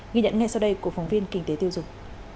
ghi nhận ngay sau đây của phóng viên kinh tế tiêu dùng